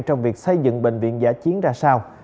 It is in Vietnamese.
trong việc xây dựng bệnh viện giả chiến ra sao